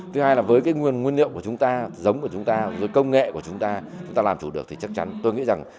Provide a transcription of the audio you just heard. thứ hai là với cái nguồn nguyên liệu của chúng ta giống của chúng ta với công nghệ của chúng ta chúng ta làm chủ được thì chắc chắn tôi nghĩ rằng